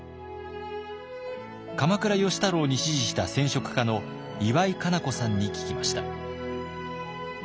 鎌倉芳太郎に師事した染織家の岩井香楠子さんに聞きました。